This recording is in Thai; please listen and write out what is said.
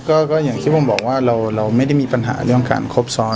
ก็อย่างที่ผมบอกว่าเราไม่ได้มีปัญหาเรื่องการครบซ้อน